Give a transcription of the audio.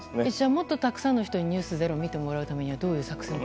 もっとたくさんの人に「ｎｅｗｓｚｅｒｏ」を見てもらうためにはどういう作戦を？